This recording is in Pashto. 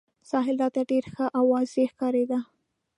ساحل راته ډېر ښه او واضح ښکارېده.